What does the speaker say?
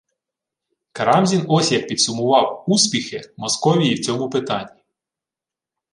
Карамзін ось як підсумував «успіхи» Московії в цьому питанні: